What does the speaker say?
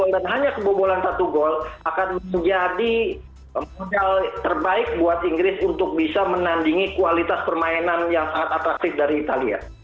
dan hanya kebobolan satu gol akan menjadi modal terbaik buat inggris untuk bisa menandingi kualitas permainan yang sangat atraktif dari italia